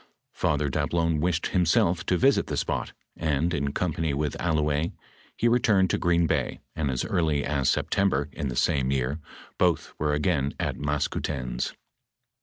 Father Dablon wished himself to visit the spot, and in company with Al louez, he returned to Green bay, and as early as September, in the same year, both were again at Maskoutens.